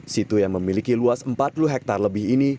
situ yang memiliki luas empat puluh hektare lebih ini